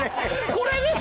これです！